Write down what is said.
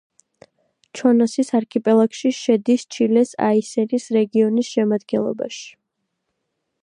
ჩონოსის არქიპელაგში, შედის ჩილეს აისენის რეგიონის შემადგენლობაში.